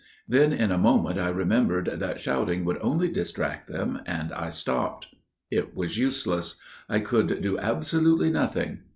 Then in a moment I remembered that shouting would only distract them, and I stopped. It was useless. I could do absolutely nothing.